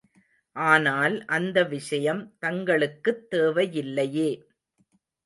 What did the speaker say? ஆனால் அந்த விஷயம் தங்களுக்குத் தேவையில்லையே.